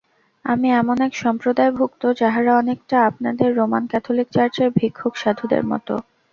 আমি এমন এক সম্প্রদায়ভুক্ত, যাহারা অনেকটা আপনাদের রোমান ক্যাথলিক চার্চের ভিক্ষুক সাধুদের মত।